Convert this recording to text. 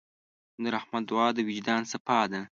د رحمت دعا د وجدان صفا ده.